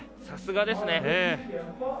さすがですね。